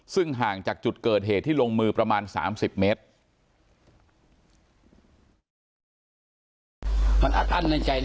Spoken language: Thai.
ซึ่งห่างจากจุดเกิดเหตุที่ลงมือประมาณ๓๐เมตร